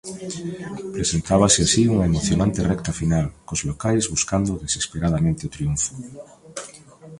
Presentábase así unha emocionante recta final, cos locais buscando desesperadamente o triunfo.